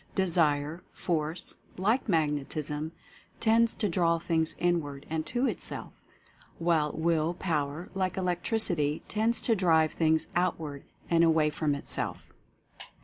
Desire Force, like Magnetism, tends to draw things inward and to itself; while Will Power, like Electricity, tends to drive things outward and away from itself.